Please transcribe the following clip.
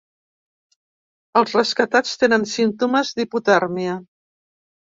Els rescatats tenen símptomes d’hipotèrmia.